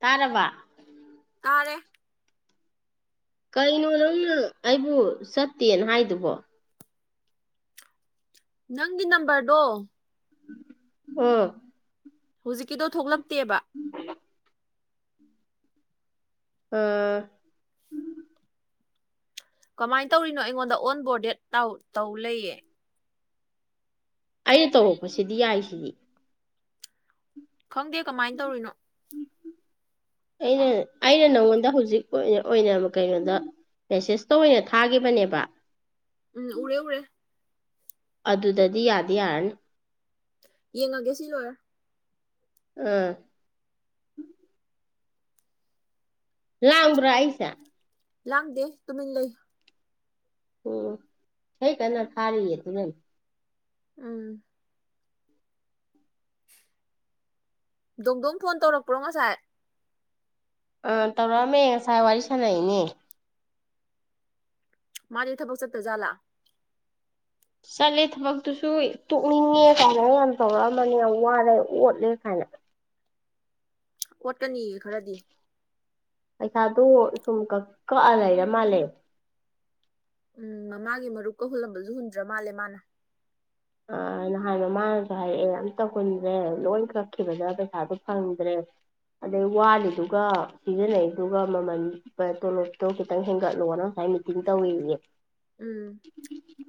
ꯇꯥꯔꯕꯥ ꯇꯥꯔꯦ ꯀꯩꯅꯣ ꯅꯪꯅ ꯑꯩꯕꯨ ꯆꯠꯇꯦꯅ ꯍꯥꯏꯗꯨꯕꯣ ꯅꯪꯒꯤ ꯅꯝꯕꯔꯗꯣ ꯑꯣ ꯍꯧꯖꯤꯛꯀꯤꯗꯣ ꯊꯣꯛꯂꯛꯇꯦꯕ ꯑꯥ ꯀꯃꯥꯏꯅ ꯇꯧꯔꯤꯅꯣ ꯑꯩꯉꯣꯟꯗ ꯑꯣꯟ ꯕꯣꯔꯗꯦꯠ ꯇ ꯇꯧ ꯂꯩꯌꯦ ꯑꯩꯅ ꯇꯧꯔꯛꯄꯁꯤꯗꯤ ꯌꯥꯏꯁꯤꯗꯤ ꯈꯪꯗꯦ ꯀꯃꯥꯏꯅ ꯇꯧꯔꯤꯅꯣ ꯑꯩꯅ ꯑꯩꯅ ꯅꯪꯉꯣꯟꯗ ꯍꯧꯖꯤꯛ ꯑꯣꯏꯅ ꯀꯩꯅꯣꯗ ꯃꯦꯁꯦꯁꯇ ꯑꯣꯏꯅ ꯊꯥꯒꯤꯈꯤꯕꯅꯦꯕ ꯎꯝ ꯎꯔꯦ ꯎꯔꯦ ꯑꯗꯨꯗꯗꯤ ꯌꯥꯗꯤ ꯌꯥꯔꯅꯤ ꯌꯦꯡꯉꯒꯦ ꯁꯤ ꯂꯣꯏꯔ ꯑꯥ ꯂꯥꯡꯕ꯭ꯔꯥ ꯑꯩꯁꯦ ꯂꯥꯡꯗꯦ ꯇꯨꯃꯤꯟ ꯂꯩ ꯎꯝ ꯑꯩ ꯀꯤꯟꯅ ꯊꯥꯔꯤꯌꯦ ꯑꯗꯨꯅꯅꯦ ꯎꯝ ꯗꯣꯡꯗꯣꯝ ꯐꯣꯟ ꯇꯧꯔꯛꯄ꯭ꯔꯣ ꯉꯁꯥꯏ ꯑꯥ ꯇꯧꯔꯛꯑꯝꯃꯦ ꯉꯁꯥꯏ ꯋꯥꯔꯤ ꯁꯥꯟꯅꯩꯅꯦ ꯃꯥꯗꯤ ꯊꯕꯛ ꯆꯠꯇꯖꯠꯂꯥ ꯆꯠꯂꯦ ꯊꯕꯛꯇꯨꯁꯨ ꯇꯣꯛꯅꯤꯡꯉꯦ ꯀꯥꯏꯅ ꯌꯥꯝ ꯇꯧꯔꯛꯑꯝꯕꯅꯤ ꯌꯥꯝ ꯋꯥꯔꯦ ꯑꯣꯠꯂꯦ ꯀꯥꯏꯅ ꯑꯣꯠꯀꯅꯤꯌꯦ ꯈꯔꯗꯤ ꯄꯩꯁꯥꯗꯨ ꯁꯨꯝ ꯀ ꯀꯛꯑ ꯂꯩꯔ ꯃꯥꯜꯂꯦ ꯎꯝ ꯃꯃꯥꯒꯤ ꯃꯔꯨꯞꯀ ꯍꯨꯜꯂꯝꯕꯁꯨ ꯍꯨꯟꯗ꯭ꯔ ꯃꯥꯜꯂꯦ ꯃꯥꯅ ꯑ ꯅꯍꯥꯟ ꯃꯃꯥꯅꯁꯨ ꯍꯥꯏꯔꯛꯑꯦ ꯑꯝꯇ ꯍꯨꯟꯗ꯭ꯔꯦ ꯂꯣꯏ ꯀꯛꯈꯤꯕꯗ ꯄꯩꯁꯥꯁꯨ ꯐꯪꯗ꯭ꯔꯦ ꯑꯗꯩ ꯋꯥꯂꯤꯗꯨꯒ ꯁꯤꯖꯤꯟꯅꯩꯗꯨꯒ ꯃꯃꯟ ꯇꯣꯂꯣꯞꯇꯣ ꯈꯤꯇꯪ ꯍꯦꯟꯒꯠꯂꯣꯅ ꯉꯁꯥꯏ ꯃꯤ ꯑꯗꯨ ꯇꯧꯋꯦꯑꯦ ꯎꯝ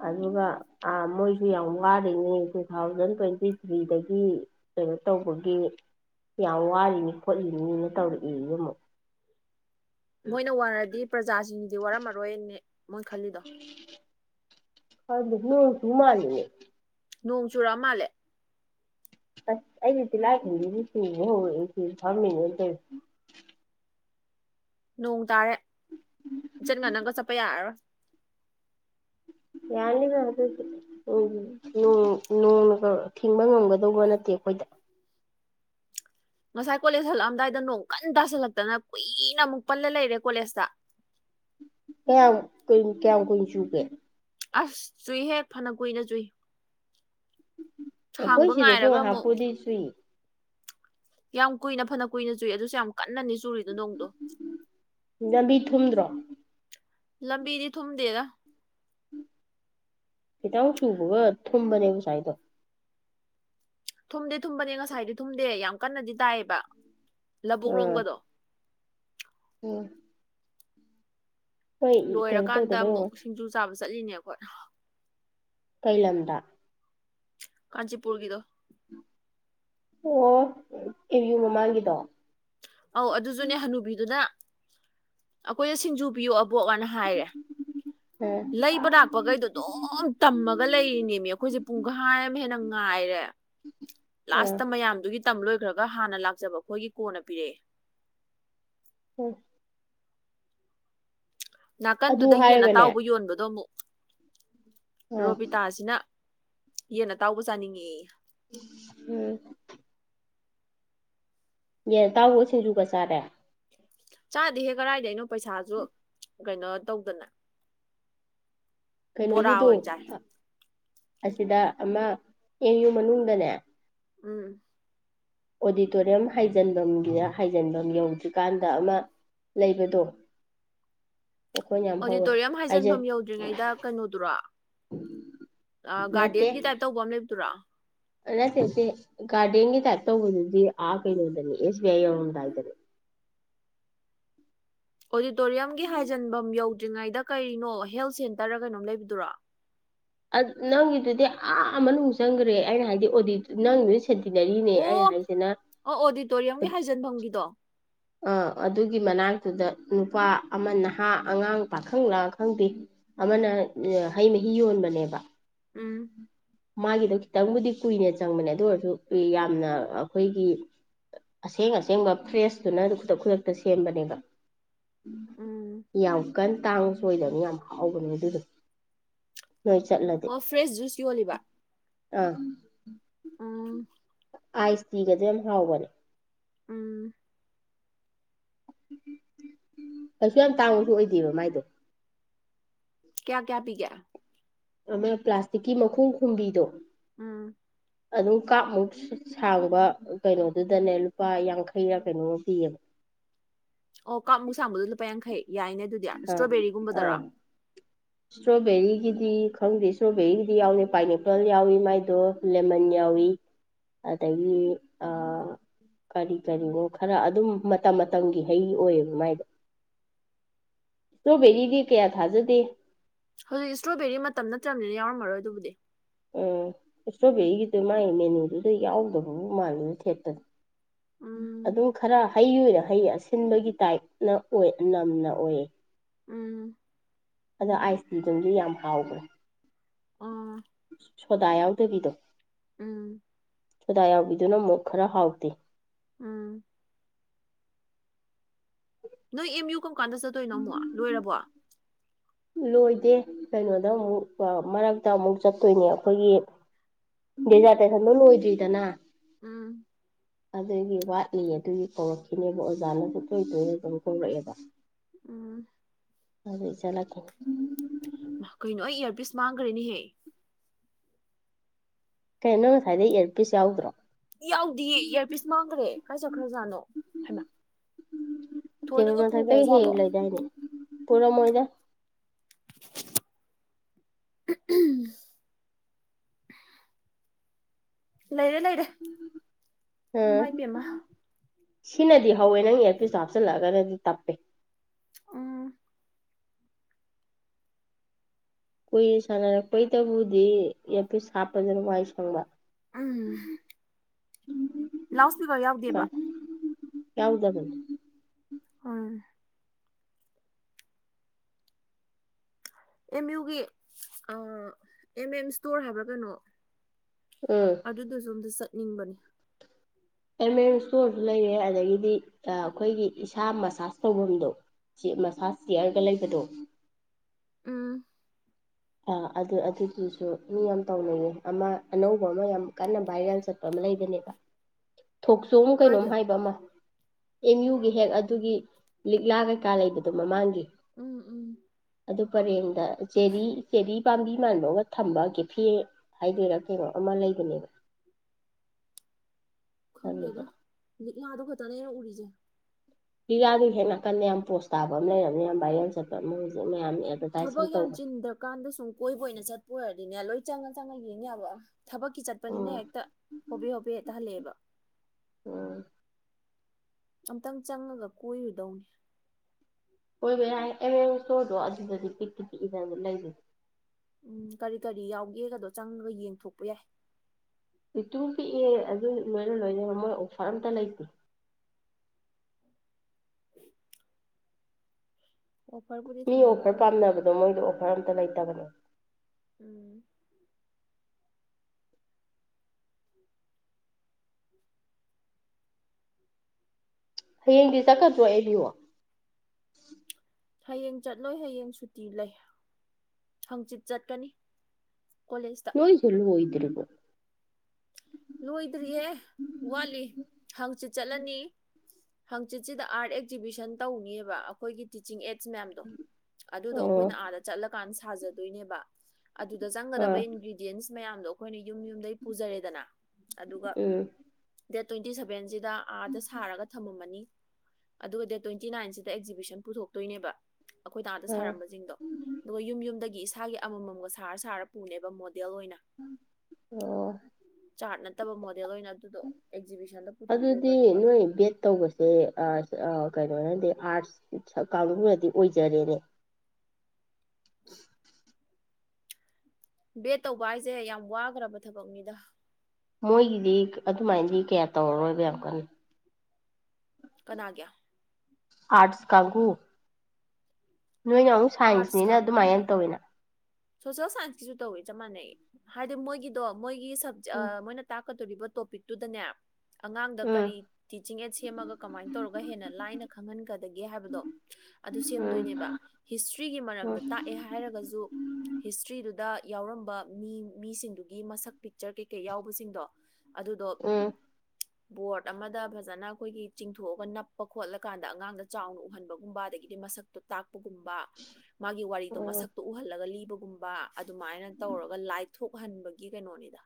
ꯑꯗꯨꯒ ꯑꯥ ꯃꯣꯏꯁꯨ ꯌꯥꯎꯅ ꯋꯥꯔꯤꯅꯤ ꯇꯨ ꯊꯥꯎꯖꯟ ꯇ꯭ꯋꯦꯟꯇꯤ ꯊ꯭ꯔꯤꯗꯒꯤ ꯀꯩꯅꯣ ꯇꯧꯕꯒꯤ ꯌꯥꯝ ꯋꯥꯔꯤꯅꯤ ꯈꯣꯠꯂꯤꯅꯤꯅꯤꯅ ꯇꯧꯔꯛꯏꯑꯦ ꯑꯃꯨꯛ ꯃꯣꯏꯅ ꯋꯥꯔꯗꯤ ꯄ꯭ꯔꯖꯥꯁꯤꯡꯁꯤꯗꯤ ꯋꯥꯔꯝꯃꯔꯣꯏꯅꯦ ꯃꯣꯏ ꯈꯜꯂꯤꯗꯣ ꯎꯝ [inaudible] ꯈꯪꯗ ꯅꯣꯡ ꯆꯨ ꯃꯥꯂꯤꯅꯦ ꯅꯣꯡ ꯆꯨꯔꯛꯑ ꯃꯥꯜꯂꯦ ꯑꯁ ꯑꯩꯗꯤ ꯇꯤꯂꯥꯢꯒꯨꯝꯕꯤꯒꯤ ꯆꯨꯕ ꯍꯧꯔꯛꯑꯦ ꯁꯤꯗꯤ ꯁꯤꯗ ꯐꯥꯝꯃꯤꯅꯤꯅ ꯇꯧꯔꯤꯁꯦ ꯅꯣꯡ ꯇꯥꯔꯦ ꯏꯆꯟ ꯒ ꯅꯪꯒ ꯆꯠꯄ ꯌꯥꯔꯔꯣꯏ ꯌꯥꯅꯤꯗ ꯑꯗꯣꯢꯁꯨ ꯑꯥ ꯅꯣꯡ ꯅꯣꯡꯅꯒ ꯊꯤꯡꯕ ꯉꯝꯒꯗꯧꯕ ꯅꯠꯇꯦ ꯑꯩꯈꯣꯏꯗ ꯉꯁꯥꯏ ꯀꯣꯂꯦꯖ ꯍꯜꯂꯛꯑꯝꯗꯥꯏꯗ ꯅꯣꯡ ꯀꯥꯟꯅ ꯇꯥꯁꯜꯂꯛꯇꯅ ꯀꯨꯏꯅ ꯑꯃꯨꯛ ꯄꯜꯂ ꯂꯩꯔꯦ ꯀꯣꯂꯦꯖꯇ ꯀꯌꯥꯝ ꯀꯨꯏ ꯀꯌꯥꯝ ꯀꯨꯏ ꯆꯨꯒꯦ ꯑꯁ ꯆꯨꯏꯍꯦ ꯐꯅ ꯀꯨꯏꯅ ꯆꯨꯏ ꯍꯥꯡꯕ ꯑꯩꯈꯣꯏ ꯁꯤꯗꯁꯨ ꯉꯥꯏꯔꯒ ꯑꯃꯨꯛ ꯉꯍꯥꯛꯄꯨꯗꯤ ꯆꯨꯏ ꯌꯥꯝ ꯀꯨꯏꯅ ꯐꯅ ꯀꯨꯏꯅ ꯆꯨꯏ ꯑꯗꯨꯁꯨ ꯌꯥꯝ ꯀꯟꯅꯅꯤ ꯆꯨꯔꯤꯗꯣ ꯅꯣꯡꯗꯣ ꯂꯝꯕꯤ ꯊꯨꯝꯗ꯭ꯔꯣ ꯂꯝꯕꯤꯗꯤ ꯊꯨꯝꯗꯦꯗ ꯈꯤꯇꯪ ꯆꯨꯕꯒ ꯊꯨꯝꯕꯅꯦꯕ ꯑꯁꯥꯏꯗꯣ ꯊꯨꯝꯗꯤ ꯊꯨꯝꯕꯅꯦ ꯉꯁꯥꯏꯗꯤ ꯊꯨꯝꯗꯦ ꯌꯥꯝ ꯀꯟꯅꯗꯤ ꯇꯥꯏꯌꯦꯕ ꯂꯕꯨꯛꯔꯣꯝꯒꯗꯣ ꯑꯝ ꯀꯩꯅꯣ ꯂꯣꯏꯔꯀꯥꯟꯗ ꯇꯧꯗꯕꯩ ꯑꯃꯨꯛ ꯑꯣꯏꯔꯝꯒꯅꯤ ꯁꯤꯡꯖꯨ ꯆꯥꯕ ꯆꯠꯂꯤꯅꯦ ꯑꯈꯣꯏ ꯀꯩ ꯂꯝꯗꯥ ꯀꯥꯟꯆꯤꯄꯨꯔꯒꯤꯗꯣ ꯑꯣ ꯑꯦꯝ ꯌꯨ ꯃꯃꯥꯡꯒꯤꯗꯣ ꯑꯧ ꯑꯗꯨꯁꯨꯅꯦ ꯍꯅꯨꯕꯤꯗꯨꯅ ꯑꯩꯈꯣꯏꯗ ꯁꯤꯡꯖꯨ ꯄꯤꯌꯣ ꯕꯣꯛꯑꯣꯅ ꯍꯥꯏꯔꯦ ꯑꯥ ꯂꯩꯕ ꯂꯥꯛꯄꯈꯩꯗꯣ ꯑꯗꯨꯝ ꯇꯝꯃꯒ ꯂꯩꯔꯤꯅꯦꯃꯦ ꯑꯩꯈꯣꯏꯁꯦ ꯄꯨꯡꯈꯥꯏ ꯑꯃ ꯍꯦꯟꯅ ꯉꯥꯏꯔꯦ ꯑꯥ ꯂꯥꯁꯇ ꯃꯌꯥꯝꯗꯨꯒꯤ ꯇꯝ ꯂꯣꯏꯈ꯭ꯔꯒ ꯍꯥꯟꯅ ꯂꯥꯛꯆꯕ ꯑꯩꯈꯣꯏꯒꯤ ꯀꯣꯟꯅ ꯄꯤꯔꯛꯑꯦ ꯎꯝ ꯑꯗꯨ ꯅꯥꯀꯟꯗꯨꯗ ꯌꯦꯟ ꯍꯥꯏꯔꯒꯅꯦ ꯑꯇꯥꯎꯕ ꯌꯣꯟꯕꯗꯣ ꯑꯃꯨꯛ ꯑꯥ ꯔꯣꯕꯤꯠ ꯇꯥꯥꯁꯤꯅ ꯌꯦꯟ ꯑꯇꯥꯎꯕ ꯆꯥꯅꯤꯡꯉꯦꯌꯦ ꯎꯝ ꯌꯦꯟ ꯑꯇꯥꯎꯕ ꯁꯤꯡꯖꯨꯒ ꯆꯥꯔꯦ ꯆꯥꯗꯦꯍꯦ ꯀꯔꯥꯏꯗꯩꯅꯣ ꯄꯩꯁꯥꯁꯨ ꯀꯩꯅꯣ ꯇꯧꯗꯅ ꯕꯣꯔꯥ ꯀꯩꯅꯣꯒꯤꯗꯣ ꯑꯣꯏ ꯆꯥꯏ ꯑꯁꯤꯗ ꯑꯃ ꯑꯦꯝ ꯌꯨ ꯃꯅꯨꯡꯗꯅꯦ ꯎꯝ ꯑꯣꯗꯤꯇꯣꯔꯤꯌꯝ ꯍꯥꯏꯖꯟꯕꯝꯒꯤꯗ ꯍꯥꯏꯖꯟꯕꯝ ꯌꯧꯗ꯭ꯔꯤꯀꯥꯟꯗ ꯑꯃ ꯂꯩꯕꯗꯣ ꯑꯩꯈꯣꯏꯅ ꯌꯥꯝ ꯍꯧꯋꯦ ꯑꯣꯗꯤꯇꯣꯔꯤꯌꯝ ꯍꯥꯏꯖꯟ ꯍꯥꯏꯖꯟꯐꯝ ꯌꯧꯗ꯭ꯔꯤꯉꯩꯗ ꯀꯩꯅꯣꯗꯨꯔꯣ ꯒꯥꯔꯗꯦꯟꯒꯤ ꯇꯥꯏꯞ ꯇꯧꯕ ꯑꯃ ꯂꯩꯕꯇꯨꯔꯣ ꯑꯥ ꯅꯠꯇꯦ ꯅꯠꯇꯦ ꯒꯥꯗꯦꯟꯒꯤ ꯇꯥꯏꯞ ꯇꯧꯕꯗꯨꯗꯤ ꯑꯥ ꯀꯩꯩꯅꯣꯗꯅꯦ ꯑꯦꯁ ꯕꯤ ꯌꯥꯏ ꯌꯧꯔꯝꯗꯥꯏꯗꯅꯦ ꯑꯣꯗꯤꯇꯣꯔꯤꯌꯝꯒꯤ ꯍꯥꯏꯖꯟꯕꯝ ꯌꯧꯗ꯭ꯔꯤꯉꯩꯗ ꯀꯔꯤꯅꯣ ꯍꯦꯜ ꯁꯦꯟꯇꯔ ꯀꯩꯅꯣꯝ ꯂꯩꯕꯗꯨꯔꯣ ꯅꯪꯒꯤꯗꯨꯗꯤ ꯑꯥ ꯃꯅꯨꯡ ꯆꯪꯈ꯭ꯔꯦ ꯑꯩꯅ ꯍꯥꯏꯗꯤ ꯑꯣꯗꯤ ꯅꯪꯒꯤꯗꯤ ꯁꯦꯇꯤꯅꯔꯤꯅꯦ ꯑꯩꯅ ꯑꯣ ꯍꯥꯏꯁꯤꯅ ꯑꯣ ꯑꯣꯗꯤꯇꯣꯔꯤꯌꯝꯒꯤ ꯍꯥꯏꯖꯟꯐꯝꯒꯤꯗꯣ ꯑ ꯑꯗꯨꯒꯤ ꯃꯅꯥꯛꯇꯨꯗ ꯅꯨꯄꯥ ꯑꯃ ꯅꯍꯥ ꯑꯉꯥꯡ ꯄꯥꯈꯪꯂ ꯈꯪꯗꯦ ꯑꯃꯅ ꯍꯩ ꯃꯍꯤ ꯌꯣꯟꯕꯅꯦꯕ ꯎꯝ ꯃꯥꯒꯤꯗꯣ ꯈꯤꯇꯪꯕꯨꯗꯤ ꯀꯨꯏꯅ ꯆꯪꯕꯅꯦ ꯑꯗꯨ ꯑꯣꯏꯔꯁꯨ ꯌꯥꯝꯅ ꯑꯈꯣꯏꯒꯤ ꯑꯁꯦꯡ ꯑꯁꯦꯡꯕ ꯐ꯭ꯔꯦꯁꯇꯨꯅ ꯑꯗꯨ ꯈꯨꯗꯛ ꯈꯨꯗꯛꯇ ꯁꯦꯝꯕꯅꯦꯕ ꯎꯝ ꯌꯥꯝ ꯀꯟ ꯇꯥꯡꯕꯁꯨ ꯑꯣꯏꯗꯕꯅꯦ ꯌꯥꯝ ꯍꯥꯎꯕꯅꯦ ꯑꯗꯨꯗꯣ ꯅꯣꯏ ꯆꯠꯂꯗꯤ ꯑꯣ ꯐ꯭ꯔꯦꯁ ꯖꯨꯁ ꯌꯣꯜꯂꯤꯕ ꯑ ꯎꯝ ꯑꯥꯏꯁꯇꯤꯒꯗꯨ ꯌꯥꯝ ꯍꯥꯎꯕꯅꯦ ꯎꯝ ꯀꯩꯁꯨ ꯌꯥꯝ ꯇꯥꯡꯕꯁꯨ ꯑꯣꯏꯗꯦꯕ ꯃꯥꯏꯗꯣ ꯀꯌꯥ ꯀꯌꯥ ꯄꯤꯒꯦ ꯑꯃ ꯍꯦꯛꯇ ꯌꯥꯢ ꯄ꯭ꯂꯥꯁꯇꯤꯛꯀꯤ ꯃꯈꯨꯝ ꯈꯨꯝꯕꯤꯗꯣ ꯎꯝ ꯑꯗꯨꯝ ꯀꯥꯞꯃꯨꯛ ꯁꯥꯡꯕ ꯀꯩꯅꯣꯗꯨꯗꯅꯦ ꯂꯨꯄꯥ ꯌꯥꯡꯈꯩꯔ ꯀꯩꯅꯣꯃ ꯄꯤꯌꯦꯕ ꯑꯣ ꯀꯥꯞꯃꯨꯛ ꯁꯥꯥꯡꯕꯗꯣ ꯂꯨꯄꯥ ꯌꯥꯡꯈꯩ ꯌꯥꯏꯅꯦ ꯑꯗꯨꯗꯤ ꯑꯥ ꯏꯁꯇ꯭ꯔꯣꯕꯦꯔꯤꯒꯨꯝꯕꯗꯔꯣ ꯑꯥ ꯏꯁꯇ꯭ꯔꯣꯕꯦꯔꯤꯒꯤꯗꯤ ꯈꯪꯗꯦ ꯏꯁꯇ꯭ꯔꯣꯕꯦꯔꯤꯒꯤꯗꯤ ꯌꯥꯎꯗꯦ ꯄꯥꯏꯅꯦꯄꯜ ꯌꯥꯎꯏ ꯃꯥꯏꯗꯣ ꯂꯦꯃꯟ ꯌꯥꯎꯏ ꯑꯗꯒꯤ ꯑ ꯀꯔꯤ ꯀꯔꯤꯅꯣ ꯈꯔ ꯑꯗꯨꯝ ꯃꯇꯝ ꯃꯇꯝꯒꯤ ꯍꯩ ꯑꯣꯏꯌꯦꯕ ꯃꯥꯏꯗꯣ ꯏꯁꯇꯣꯕꯦꯔꯤꯗꯤ ꯀꯌꯥ ꯊꯥꯖꯗꯦ ꯍꯧꯖꯤꯛ ꯏꯁꯇ꯭ꯔꯣꯕꯦꯔꯤ ꯃꯇꯝ ꯅꯠꯇ꯭ꯔꯕꯅꯤꯅ ꯌꯥꯎꯔꯃꯔꯣꯏ ꯑꯗꯨꯕꯨꯗꯤ ꯎꯝ ꯏꯁꯇ꯭ꯔꯣꯕꯦꯔꯤꯒꯤꯗꯨ ꯃꯥꯏ ꯃꯦꯅꯨꯗꯨꯗ ꯌꯥꯎꯗꯕꯕꯨ ꯃꯥꯜꯂꯦꯗ ꯊꯦꯠꯄꯗ ꯎꯝ ꯑꯗꯨꯝ ꯈꯔ ꯍꯩ ꯑꯣꯏꯅ ꯍꯩ ꯑꯁꯤꯟꯕꯒꯤ ꯇꯥꯏꯠꯅ ꯑꯣꯏ ꯅꯝꯅ ꯑꯣꯏꯌꯦ ꯎꯝ ꯑꯗꯣ ꯑꯥꯏꯁꯒꯤꯗꯨꯝꯗꯤ ꯌꯥꯝ ꯍꯥꯎꯕꯅꯦ ꯑꯥꯝ ꯁꯣꯗꯥꯥ ꯌꯥꯎꯗꯕꯤꯗꯣ ꯎꯝ ꯁꯣꯗꯥ ꯌꯥꯎꯕꯤꯗꯨꯅ ꯑꯃꯨꯛ ꯈꯔ ꯍꯥꯎꯇꯦ꯫ ꯎꯝ ꯅꯣꯏ ꯑꯦꯝ ꯌꯨ ꯀꯔꯝ ꯀꯥꯟꯗ ꯆꯠꯇꯣꯏꯅꯣ ꯑꯃꯨꯛ ꯂꯣꯏꯔꯕꯣ꯫ ꯂꯣꯏꯗꯦ ꯀꯩꯅꯣꯗ ꯑꯃꯨꯛ ꯃꯔꯛꯇ ꯑꯃꯨꯛ ꯆꯠꯇꯣꯏꯅꯦ ꯑꯩꯈꯣꯏꯒꯤ ꯗꯦꯖꯥꯔꯇꯦꯁꯟꯗꯨ ꯂꯣꯏꯗ꯭ꯔꯤꯗꯅ ꯎꯝ ꯑꯗꯨꯒꯤ ꯋꯥꯠꯂꯤ ꯑꯗꯨꯒꯤ ꯀꯧꯔꯛꯈꯤꯅꯦꯕ ꯑꯣꯖꯥꯅꯁꯨ ꯇꯣꯏ ꯇꯣꯏꯅ ꯑꯗꯨꯝ ꯀꯧꯔꯛꯑꯦꯕ꯫ ꯎꯝ ꯑꯗꯨꯏ ꯆꯠꯂꯛꯈꯤꯅꯤ꯫ ꯃꯥ ꯀꯩꯅꯣ ꯑꯩ ꯏꯌꯥꯔꯄꯤꯁ ꯃꯥꯡꯈ꯭ꯔꯦꯅꯦꯍꯦ ꯀꯩꯅꯣ ꯅꯪ ꯉꯁꯥꯏꯗꯩ ꯑꯦꯔꯄꯤꯁ ꯌꯥꯎꯗ꯭ꯔꯣ? ꯌꯥꯎꯗꯤꯌꯦ ꯏꯌꯥꯔꯄꯤꯁ ꯃꯥꯡꯈ꯭ꯔꯦ ꯀꯥꯏ ꯆꯠꯈ꯭ꯔꯖꯥꯠꯅꯣ ꯍꯥꯏꯃ ꯇꯦꯕꯜ ꯃꯊꯛꯇꯒꯤ ꯍꯦꯛ ꯄꯨꯈ꯭ꯔꯖꯥꯠꯂꯣ ꯍꯦꯛ ꯂꯩꯗꯥꯏꯅꯦ ꯄꯨꯔꯝꯃꯣꯏꯗ꯫ ꯂꯩꯔꯦ ꯂꯩꯔꯦ ꯏꯃꯥ ꯍꯝ ꯏꯄꯦꯝꯃ ꯁꯤꯅꯗꯤ ꯍꯧꯋꯦ ꯅꯪꯒꯤ ꯑꯦꯌꯔ ꯄꯤꯁꯇꯣ ꯍꯥꯞꯁꯤꯜꯂꯛꯂꯒꯗꯤ ꯇꯞꯄꯦ꯫ ꯎꯝ ꯀꯨꯏꯅ ꯁꯥꯟꯅꯔꯛꯄꯩꯇꯕꯨꯗꯤ ꯌꯤꯔ ꯄꯤꯁ ꯍꯥꯞꯄꯖꯤꯅ ꯋꯥꯏ ꯁꯪꯕ꯫ ꯑꯝ [unintelligible] ꯂꯥꯎꯠ ꯁ꯭ꯄꯤꯀꯔ ꯌꯥꯎꯗꯦꯕ꯫ ꯌꯥꯎꯗꯕꯅꯦ ꯎꯝ ꯑꯦꯝ ꯌꯨꯒꯤ ꯑꯥ ꯑꯦꯝ ꯑꯦꯝ ꯏꯁꯇꯣꯔ ꯍꯥꯏꯕ꯭ꯔꯥ ꯀꯩꯅꯣ ꯎꯝ ꯑꯗꯨꯗꯨꯁꯨ ꯑꯝꯇ ꯆꯠꯅꯤꯡꯕꯅꯤ꯫ ꯑꯦꯝꯃꯦꯟ ꯏꯁꯇꯣꯔꯁꯨ ꯂꯩꯔꯦ ꯑꯗꯒꯤꯗꯤ ꯑꯩꯈꯣꯏꯒꯤ ꯏꯁꯥ ꯃꯁꯥꯁ ꯇꯧꯐꯝꯗꯣ ꯁꯤ ꯃꯁꯥꯁ ꯆꯤꯌꯥꯔꯒ ꯂꯩꯕꯗꯣ ꯎꯝ ꯑ ꯑꯗꯨ ꯑꯗꯨꯗꯨꯁꯨ ꯃꯤ ꯌꯥꯝ ꯇꯧꯅꯩꯌꯦ ꯑꯃ ꯑꯅꯧꯕ ꯑꯃ ꯌꯥꯝ ꯀꯟꯅ ꯚꯥꯏꯔꯦꯜ ꯆꯠ ꯑꯃ ꯂꯩꯕꯅꯦꯕ ꯊꯣꯛꯆꯣꯝ ꯀꯩꯅꯣꯝ ꯀꯥꯏꯗꯅꯣ ꯍꯥꯏꯕ ꯑꯃ ꯑꯦꯝ ꯌꯨꯒꯤ ꯍꯦꯛ ꯑꯗꯨꯒꯤ ꯂꯤꯛꯂꯥ ꯀꯩꯀꯥ ꯂꯩꯕꯗꯣ ꯃꯃꯥꯡꯒꯤ꯫ ꯎꯝ ꯎꯝ ꯑꯗꯨ ꯄꯔꯦꯗ ꯆꯦꯔꯤ ꯏ ꯄꯥꯝꯕꯤ ꯃꯥꯟꯕ ꯑꯃꯒ ꯊꯝꯕ ꯀꯦꯐꯦ ꯍꯥꯏꯗꯣꯏꯔꯥ ꯀꯩꯅꯣ ꯑꯃ ꯂꯩꯕꯅꯦꯕ꯫ ꯑꯗꯨꯗ ꯈꯪꯗꯦꯗꯣ ꯂꯤꯛꯂꯥꯗꯣ ꯈꯛꯇꯅꯦ ꯑꯩ ꯎꯔꯤꯁꯦ꯫ ꯂꯤꯛꯂꯥꯗꯨꯒꯤ ꯍꯦꯛꯅꯀꯟꯗ ꯌꯥꯝ ꯄꯣꯁ ꯇꯥꯕ ꯑꯃ ꯂꯩꯔꯝꯅꯤ ꯌꯥꯝ ꯕꯥꯏꯔꯦꯡ ꯆꯠꯄ ꯑꯃ ꯍꯧꯖꯤꯛ ꯃꯌꯥꯝꯅ ꯊꯕꯛ ꯌꯥꯝ ꯆꯤꯟꯗ꯭ꯔꯀꯥꯟꯗ ꯁꯨꯝ ꯀꯣꯏꯕ ꯑꯣꯏꯅ ꯆꯠꯄ ꯑꯣꯏꯔꯗꯤꯅꯦ ꯂꯣꯏ ꯆꯪꯉ ꯆꯪꯉ ꯌꯦꯡ ꯌꯥꯕ꯫ ꯊꯕꯛꯀꯤ ꯆꯠꯄꯅꯤꯅ ꯎꯝ ꯍꯦꯛꯇ ꯍꯣꯕꯦ ꯍꯣꯕꯦ ꯍꯦꯛꯇ ꯍꯜꯂꯛꯑꯦꯕ꯫ ꯎꯝ ꯑꯝꯇꯪ ꯆꯪꯉꯒ ꯀꯣꯏꯔꯨꯗꯧꯅꯤ꯫ ꯑꯣꯏꯕ ꯌꯥ ꯑꯦꯝ ꯏꯁꯇꯣꯔꯗꯣ ꯑꯗꯨꯗꯗꯤ ꯄꯤꯛꯇꯤ ꯄꯤꯛꯏꯗꯅ ꯑꯗꯨꯗ ꯂꯩꯕꯅꯦ꯫ ꯎꯝ ꯀꯔꯤ ꯀꯔꯤ ꯌꯥꯎꯒꯦꯒꯗꯣ ꯆꯪꯉꯒ ꯌꯦꯡꯊꯣꯛꯄ ꯌꯥꯏ꯫ ꯄꯤꯇ꯭ꯔꯨ ꯄꯤꯛꯑꯦ ꯑꯗꯨ ꯂꯣꯏꯅ ꯂꯣꯏꯅꯅ ꯃꯣꯏ ꯑꯣꯐꯔ ꯑꯝꯇ ꯂꯩꯇꯦ ꯑꯣꯐꯔꯕꯨ ꯃꯤ ꯑꯣꯐꯔ ꯄꯥꯝꯅꯕꯗꯣ ꯃꯣꯏꯗ ꯑꯣꯐꯔ ꯑꯝꯇ ꯂꯩꯇꯕꯅꯦ ꯎꯝ ꯍꯌꯦꯡꯗꯤ ꯆꯠꯀꯗ꯭ꯔꯣ ꯑꯦꯝ ꯌꯨ ꯍꯌꯦꯡ ꯆꯠꯂꯣꯏ ꯍꯌꯦꯡ ꯁꯨꯇꯤ ꯂꯩ ꯍꯪꯆꯤꯠ ꯆꯠꯀꯅꯤ ꯀꯣꯂꯦꯖ ꯅꯣꯢꯁꯦ ꯂꯣꯢꯗꯔꯤꯕꯣ ꯂꯣꯏꯗ꯭ꯔꯤꯍꯦ ꯋꯥꯠꯂꯤ ꯍꯪꯆꯤꯠ ꯆꯠꯂꯅꯤ ꯍꯪꯆꯤꯠꯁꯤꯗ ꯑꯥꯔꯠ ꯑꯦꯛꯖꯤꯕꯤꯁꯟ ꯇꯧꯅꯤꯕ ꯑꯩꯈꯣꯏꯒꯤ ꯇꯤꯆꯤꯡ ꯑꯦꯠ ꯃꯌꯥꯝꯗꯣ ꯑꯗꯨꯗꯣ ꯑꯣ ꯑꯩꯈꯣꯏꯅ ꯑꯥꯗ ꯆꯠꯂꯀꯥꯟꯗ ꯁꯥꯖꯗꯣꯏꯅꯦꯕ ꯑꯗꯨꯗ ꯆꯪꯒꯗꯕ ꯑꯥ ꯏꯟꯒ꯭ꯦꯗꯤꯌꯦꯟꯁ ꯃꯌꯥꯝꯗꯣ ꯑꯩꯈꯣꯏꯅ ꯌꯨꯝ ꯌꯨꯝꯗꯩ ꯄꯨꯖꯔꯦꯗꯅ ꯑꯗꯨꯒ ꯎꯝ ꯗꯦꯠ ꯇ꯭ꯋꯦꯟꯇꯤ ꯁꯚꯦꯟꯁꯤꯗ ꯑꯥꯗ ꯁꯥꯔꯒ ꯊꯝꯃꯝꯃꯅꯤ ꯑꯗꯨꯒ ꯗꯦꯠ ꯇ꯭ꯋꯦꯟꯇꯤ ꯅꯥꯏꯟꯁꯤꯗ ꯑꯦꯛꯖꯤꯕꯤꯁꯟ ꯄꯨꯊꯣꯛꯇꯣꯏꯅꯦꯕ ꯑꯩꯈꯣꯏꯅ ꯑꯥꯗ ꯑꯥ ꯁꯥꯔꯝꯕꯁꯤꯡꯗꯣ ꯑꯗꯨꯒ ꯌꯨꯝ ꯌꯨꯝꯗꯒꯤ ꯏꯁꯥꯒꯤ ꯑꯃꯃꯝꯒ ꯁꯥꯔ ꯁꯥꯔ ꯄꯨꯅꯦꯕ ꯃꯣꯗꯦꯜ ꯑꯣꯏꯅ ꯎꯝ ꯑꯣ ꯆꯥꯔꯠ ꯅꯠꯇꯕ ꯃꯣꯗꯦꯜ ꯑꯣꯏꯅ ꯑꯗꯨꯗꯣ ꯑꯦꯛꯖꯤꯕꯤꯁꯟꯗ ꯄꯨꯊꯣꯛꯇꯣꯏꯕ ꯑꯗꯨꯗꯤ ꯑꯗꯨꯒ ꯅꯣꯏ ꯕꯦꯠ ꯇꯧꯕꯁꯦ ꯀꯩꯅꯣꯅꯗꯤ ꯑꯥꯔꯠꯁ ꯀꯥꯡꯕꯨꯅꯗꯤ ꯑꯣꯏꯖꯔꯦꯅꯦ [unintelligible] ꯕꯦꯠ ꯇꯧꯕ ꯍꯥꯏꯁꯦ ꯌꯥꯝ ꯋꯥꯈ꯭ꯔꯕ ꯊꯕꯛꯅꯤꯗ ꯃꯣꯏꯒꯤꯗꯤ ꯑꯗꯨꯃꯥꯏꯅꯗꯤ ꯀꯌꯥ ꯇꯧꯔꯔꯣꯏꯕ ꯌꯥꯝ ꯀꯟꯅ ꯀꯅꯥꯒꯤ ꯑꯥꯠꯁ ꯀꯥꯡꯕꯨ ꯅꯣꯏꯅ ꯑꯃꯨꯛ ꯑꯥꯔꯠꯁ ꯁꯥꯏꯟꯁꯅꯤꯅ ꯀꯥꯡꯕꯨ ꯑꯗꯨꯃꯥꯏꯅ ꯇꯧꯋꯤꯅ ꯁꯣꯁꯦꯜ ꯁꯥꯏꯟꯁꯀꯤꯁꯨ ꯇꯧꯋꯤ ꯆꯞ ꯃꯥꯟꯅꯩ ꯍꯥꯏꯗꯤ ꯃꯣꯏꯒꯤꯗꯣ ꯃꯣꯏꯒꯤ ꯁꯞꯖꯦꯛ ꯎꯝ ꯃꯣꯏꯅ ꯇꯥꯛꯀꯗꯣꯔꯤꯕ ꯇꯣꯄꯤꯛꯇꯨꯗꯅꯦ ꯑꯉꯥꯡꯗ ꯎꯝ ꯀꯔꯤ ꯇꯤꯆꯤꯡ ꯑꯦꯠ ꯁꯦꯝꯃꯒ ꯀꯃꯥꯏꯅ ꯇꯧꯔꯒ ꯍꯦꯟꯅ ꯂꯥꯏꯅ ꯈꯪꯍꯟꯒꯗꯒꯦ ꯍꯥꯏꯕꯗꯣ ꯑꯗꯨ ꯁꯦꯝꯗꯣꯏꯅꯦꯕ ꯍꯤꯁꯇ꯭ꯔꯤꯒꯤ ꯎꯝ ꯃꯔꯝꯗ ꯇꯥꯛꯑꯦ ꯍꯥꯏꯔꯒꯁꯨ ꯍꯤꯁꯇ꯭ꯔꯤꯗꯨꯗ ꯌꯥꯎꯔꯝꯕ ꯃꯤ ꯃꯤꯁꯤꯡꯗꯨꯒꯤ ꯃꯁꯛ ꯄꯤꯛꯆꯔ ꯀꯩꯀꯩ ꯌꯥꯎꯕꯁꯤꯡꯗꯣ ꯑꯗꯨꯗꯣ ꯎꯝ ꯕꯣꯔꯠ ꯑꯃꯗ ꯐꯖꯅ ꯑꯩꯈꯣꯏꯒꯤ ꯆꯤꯡꯊꯣꯛꯑꯒ ꯅꯞꯄ ꯈꯣꯠꯂꯀꯥꯟꯗ ꯑꯉꯥꯡꯗ ꯆꯥꯎꯅ ꯎꯍꯟꯕꯒꯨꯝꯕ ꯑꯗꯒꯤꯗꯤ ꯃꯁꯛ ꯇꯥꯛꯄꯒꯨꯝꯕ ꯃꯥꯒꯤ ꯋꯥꯔꯤꯗꯣ ꯎꯝ ꯃꯁꯛꯇꯣ ꯎꯍꯜꯂꯒ ꯕꯒꯨꯝꯕ ꯑꯗꯨꯃꯥꯏꯅ ꯇꯧꯔꯒ ꯂꯥꯏꯊꯣꯛꯍꯟꯕꯒꯤ ꯀꯩꯅꯣꯅꯤꯗ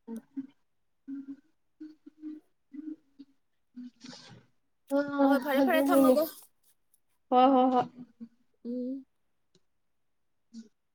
ꯎꯝ [unintelligible] ꯍꯣꯢ ꯍꯣꯢ ꯍꯣꯏ ꯐꯔꯦ ꯐꯔꯦ ꯑꯗꯨꯅꯦ ꯊꯝꯃꯒꯦ ꯍ ꯍꯣ ꯍꯣꯏ ꯎꯝ